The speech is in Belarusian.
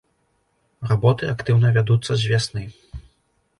Работы актыўна вядуцца з вясны.